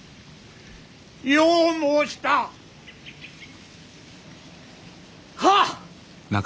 よう申した！はっ！